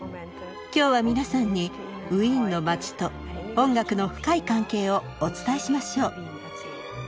今日はみなさんにウィーンの街と音楽の深い関係をお伝えしましょう。